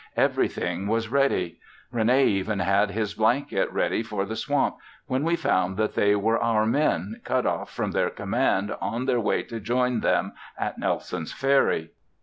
Everything was ready. Rene even had his blanket ready for the swamp, when we found that they were our men, cut off from their command on their way to join them at Nelson's Ferry.